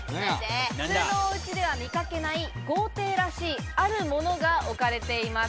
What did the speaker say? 普通のおうちでは見掛けない豪邸らしいあるものが置かれています。